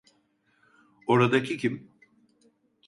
Oradaki kim?